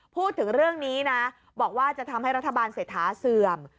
พูดถึงเรื่องนี้นะบอกว่าจะทำให้รัฐบาลเศรษฐาเสื่อม